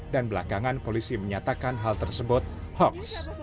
dan belakangan polisi menyatakan hal tersebut hoax